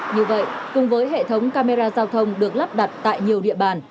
như vậy cùng với hệ thống camera giao thông được lắp đặt tại nhiều địa bàn